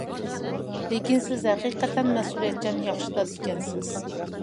لېكىن سىز ھەقىقەتەن مەسئۇلىيەتچان ياخشى دادا ئىكەنسىز.